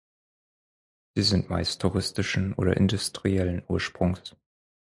Sie sind meist touristischen oder industriellen Ursprungs.